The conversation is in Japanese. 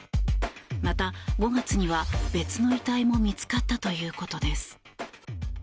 また、５月には別の遺体も見つかったということです。